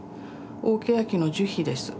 大ケヤキの樹皮です。